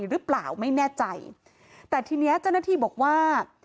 หรือเปล่าไม่แน่ใจแต่ทีเนี้ยเจ้าหน้าที่บอกว่า